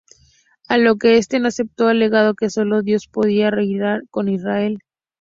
A lo que este no aceptó, alegando que sólo Dios podía reinar en Israel.